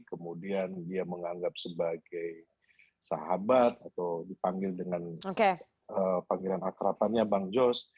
kemudian dia menganggap sebagai sahabat atau dipanggil dengan panggilan akrapannya bang jos